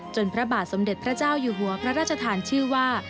พระบาทสมเด็จพระเจ้าอยู่หัวพระราชทานชื่อว่า